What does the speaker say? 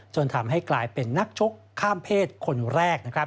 ทำให้กลายเป็นนักชกข้ามเพศคนแรก